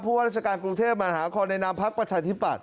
ว่าราชการกรุงเทพมหานครในนามพักประชาธิปัตย